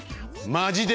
マジで？